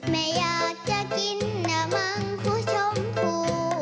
ไม่อยากจะกินน้ำมังคู่ชมพู